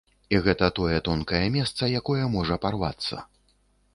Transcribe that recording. І гэта тое тонкае месца, якое можа парвацца.